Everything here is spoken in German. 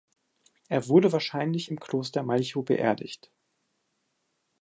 Er wurde wahrscheinlich im Kloster Malchow beerdigt.